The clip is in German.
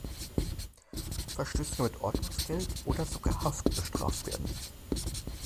Verstöße können mit Ordnungsgeld oder sogar Haft bestraft werden.